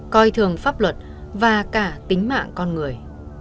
coi thường pháp luật và cả tính mạng con người